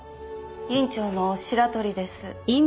院長の白鳥です。